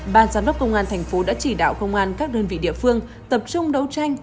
ban giám đốc công an thành phố đã chỉ đạo công an các đơn vị địa phương tập trung đấu tranh